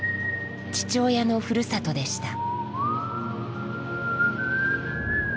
父親のふるさとでした。